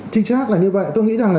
chính chắc là như vậy tôi nghĩ rằng là